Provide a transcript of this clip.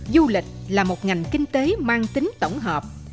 du lịch là một ngành kinh tế mang tính tổng hợp